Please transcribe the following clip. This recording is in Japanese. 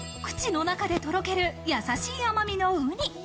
口の中でとろける、やさしい甘みのウニ。